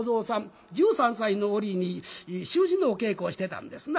１３歳の折に習字のお稽古をしてたんですな。